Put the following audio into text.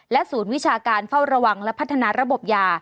ศูนย์วิชาการเฝ้าระวังและพัฒนาระบบยา